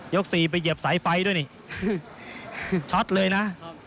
๔ไปเหยียบสายไฟด้วยนี่ช็อตเลยนะ